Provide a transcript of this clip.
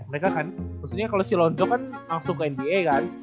mereka kan maksudnya kalau si lonjo kan langsung ke nba kan